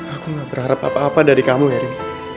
aku gak berharap apa apa dari kamu heri